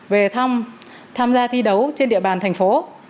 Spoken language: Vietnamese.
về tham gia thi đấu trên địa bàn thành phố